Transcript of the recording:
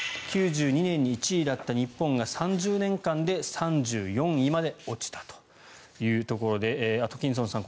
９２年に１位だった日本が３０年間で３４位まで落ちたというところでアトキンソンさん